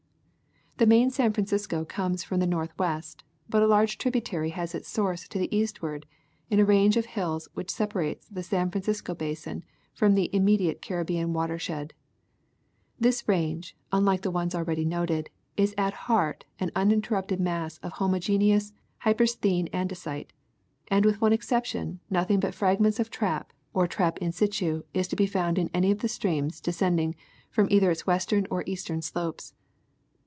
The main San Francisco comes from the northwest, but a large tributary has its source to the eastward in a range of hills which separates the San Francisco basin from the immediate Caribbean water shed. This range, unlike the ones already noted, is at heart an uninterrupted mass of homogeneous hypersthene andesite, and with one exception nothing but fragments of trap or trap in situ, is to be found in any of the streams descending from either its western or eastern slopes.